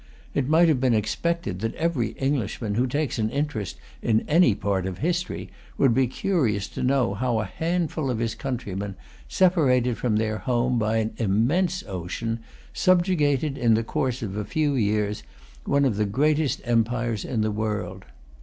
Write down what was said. It might have been expected, that every Englishman who takes any interest in any part of history would be curious to know how a handful of his countrymen, separated from their home by an immense ocean, subjugated, in the course of a few years, one of the greatest empires in the world.